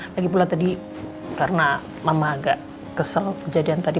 lagipula tadi karena mama agak kesel kejadian tadi